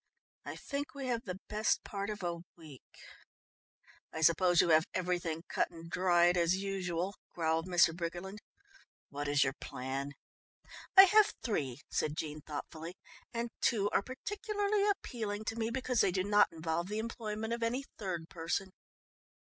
I think we have the best part of a week." "I suppose you have everything cut and dried as usual," growled Mr. Briggerland. "What is your plan?" "I have three," said Jean thoughtfully, "and two are particularly appealing to me because they do not involve the employment of any third person."